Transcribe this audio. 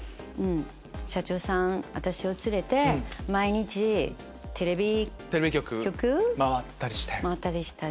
社長さん私を連れて毎日テレビ局回ったりしたり。